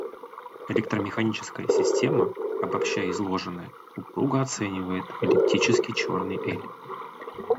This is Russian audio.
Электромеханическая система, обобщая изложенное, упруго оценивает эллиптический черный эль.